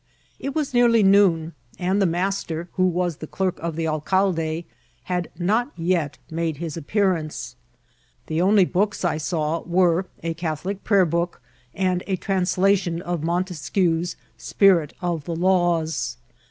It was nearly noon, and the master, who was the clerk of the alcalde, had not yet made his appearance. The C0NTXR8ATI0K WITH AN INDIAN. 71 only books I saw were a Catholic prayer book and a translation of Montesquieu's Spirit of the Laws.